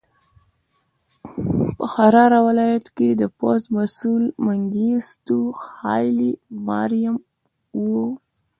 په حراره ولایت کې د پوځ مسوول منګیسټیو هایلي ماریم و.